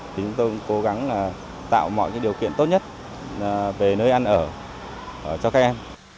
chúng tôi cũng cố gắng tạo mọi điều kiện tốt nhất về nơi ăn ở cho các em